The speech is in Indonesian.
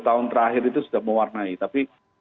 tahun terakhir itu sudah mewarnai tapi